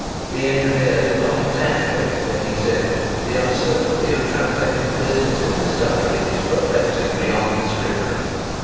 The engineer did not exaggerate when he said, "The uncertainty of transacting business in this country is perplexing beyond description."